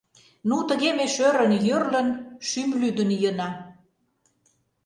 Ну, тыге ме шӧрын йӧрлын, шӱм лӱдын ийына.